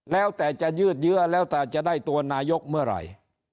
แล้วแต่จะยืดเยื้อแล้วแต่จะได้ตัวนายกเมื่อไหร่